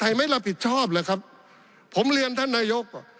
ไม่รับผิดชอบเหรอครับผมเรียนท่านนายก